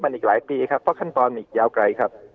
มันอีกหลายปีครับเพราะขั้นตอนอีกยาวไกลครับ